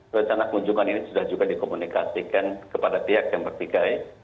rencana kunjungan ini sudah juga dikomunikasikan kepada pihak yang bertikai